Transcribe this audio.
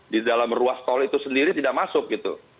di dalam ruas tol itu sendiri tidak masuk gitu